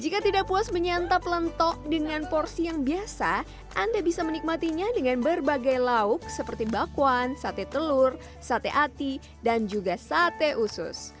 jika tidak puas menyantap lentok dengan porsi yang biasa anda bisa menikmatinya dengan berbagai lauk seperti bakwan sate telur sate ati dan juga sate usus